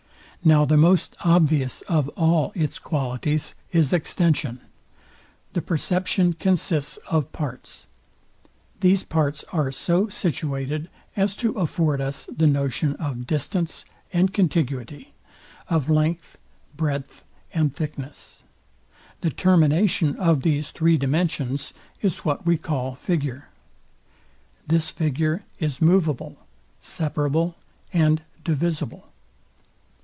Now the most obvious of all its qualities is extension. The perception consists of parts. These parts are so situated, as to afford us the notion of distance and contiguity; of length, breadth, and thickness. The termination of these three dimensions is what we call figure. This figure is moveable, separable, and divisible.